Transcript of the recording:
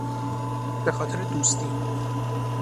به خاطر دوستی